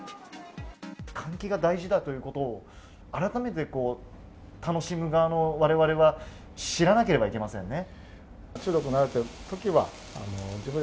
換気が大事だということを改めて楽しむ側の我々は知らなければいけませんね。